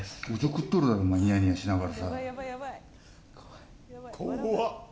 おちょくっとるやないかニヤニヤしながら。